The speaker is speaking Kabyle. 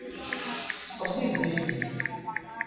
Ttqelliben-iyi.